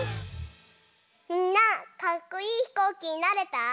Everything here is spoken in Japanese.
みんなかっこいいひこうきになれた？